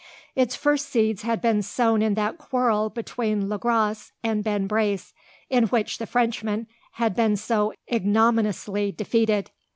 Its first seeds had been sown in that quarrel between Le Gros and Ben Brace, in which the Frenchman had been so ignominiously defeated.